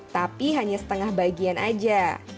tapi hanya setengah bagian aja